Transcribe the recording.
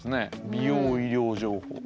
美容医療情報。